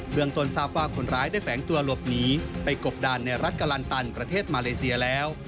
เมืองต้นทราบว่าคนร้ายได้แฝงตัวหลบหนีไปกบดานในรัฐกะลันตันประเทศมาเลเซียแล้ว